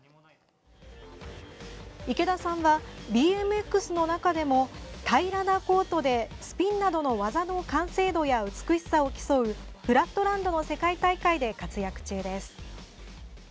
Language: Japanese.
池田さんはＢＭＸの中でも平らなコートでスピンなどの技の完成度や美しさを競う「フラットランド」の世界大会で活躍中です。